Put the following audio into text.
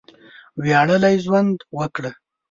وياړلی ژوند وکړه!